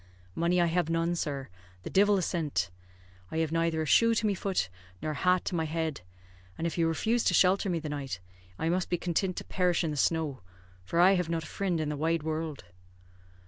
Money I have none, sir; the divil a cent. I have neither a shoe to my foot nor a hat to my head, and if you refuse to shelter me the night, I must be contint to perish in the snow, for I have not a frind in the wide wurld."